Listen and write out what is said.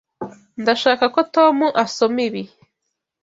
Ndashaka ko Tom asoma ibi.